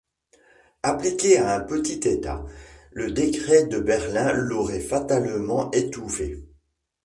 Appliqué à un petit État, le décret de Berlin l'aurait fatalement étouffé.